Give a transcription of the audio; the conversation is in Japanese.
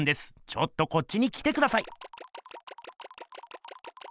ちょっとこっちに来てください！